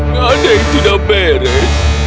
gak ada yang tidak beres